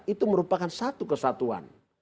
itu merupakan satu kesatuan